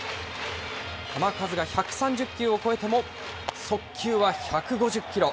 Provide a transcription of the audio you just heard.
球数が１３０球を超えても速球は１５０キロ。